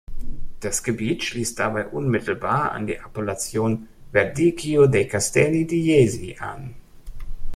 Das Gebiet schließt dabei unmittelbar an die Appellation Verdicchio dei Castelli di Jesi an.